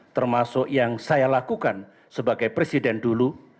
termasuk yang saya lakukan sebagai presiden dulu